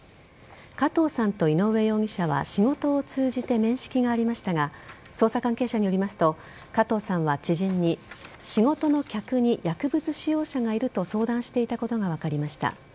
加藤さんと井上容疑者は仕事を通じて面識がありましたが捜査関係者によりますと加藤さんは知人に仕事の客に薬物使用者がいると相談していたことが分かりました。